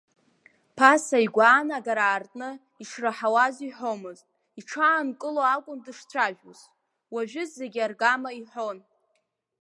Ԥаса игәаанагара аартны ишраҳауаз иҳәомызт, иҽаанкыло акәын дышцәажәоз, уажәы зегьы аргама иҳәон.